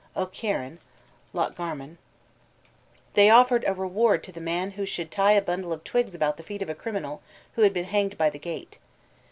O'CIARAIN: Loch Garman. they offered a reward to the man who should tie a bundle of twigs about the feet of a criminal who had been hanged by the gate.